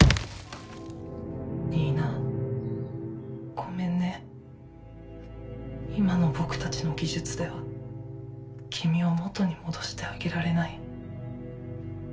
ニーナごめんね今の僕達の技術では君を元に戻してあげられない